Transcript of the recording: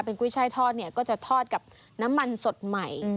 เป็นกุ้ยช่ายทอดเนี่ยก็จะทอดกับน้ำมันสดใหม่